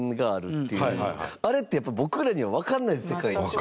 あれってやっぱ僕らにはわからない世界でしょ。